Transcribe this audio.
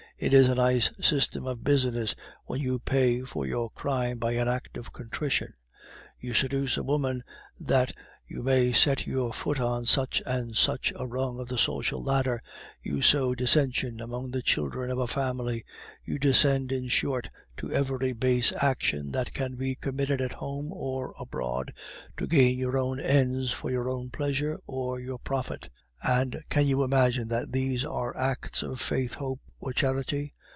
It is a nice system of business, when you pay for your crime by an act of contrition! You seduce a woman that you may set your foot on such and such a rung of the social ladder; you sow dissension among the children of a family; you descend, in short, to every base action that can be committed at home or abroad, to gain your own ends for your own pleasure or your profit; and can you imagine that these are acts of faith, hope, or charity?